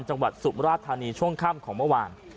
สุมราชธานีช่วงค่ำของเมื่อวาน